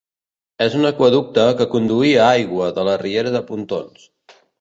És un aqüeducte que conduïa aigua de la riera de Pontons.